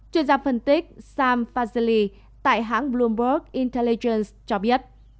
chuyên gia phân tích sam fazeli tại hãng bloomberg intelligence cho biết